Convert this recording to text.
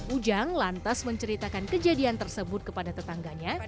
ujang lantas menceritakan kejadian tersebut kepada tetangganya